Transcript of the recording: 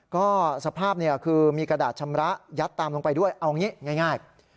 ก็สภาพคือมีกระดาษชำระยัดตามลงไปด้วยเอางี้ง่าย